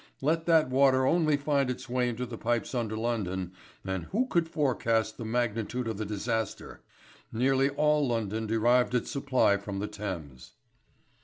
Let that water only find its way into the pipes under London and who could forecast the magnitude of the disaster? Nearly all London derived its supply from the Thames.